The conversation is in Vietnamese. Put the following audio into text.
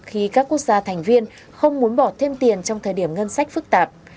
khi các quốc gia thành viên không muốn bỏ thêm tiền trong thời điểm ngân sách phức tạp